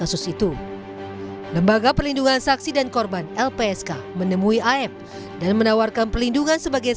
ya kalau dia mempunyai informasi penting untuk membuka pecahkan ini ya lain waktu kita mencari perlindungan seperti itu